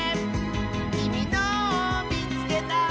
「きみのをみつけた！」